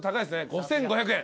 ５，５００円。